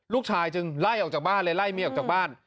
จึงไล่ออกจากบ้านเลยไล่เมียออกจากบ้าน